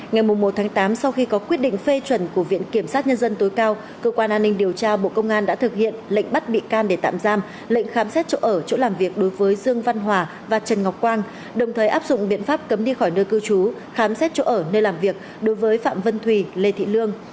ngày một tám sau khi có quyết định phê chuẩn của viện kiểm sát nhân dân tối cao cơ quan an ninh điều tra bộ công an đã thực hiện lệnh bắt bị can để tạm giam lệnh khám xét chỗ ở chỗ làm việc đối với dương văn hòa và trần ngọc quang đồng thời áp dụng biện pháp cấm đi khỏi nơi cư trú khám xét chỗ ở nơi làm việc đối với phạm vân thùy lê thị lương